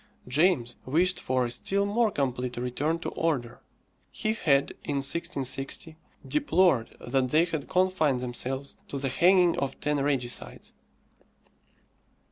James wished for a still more complete return to order. He had, in 1660, deplored that they had confined themselves to the hanging of ten regicides.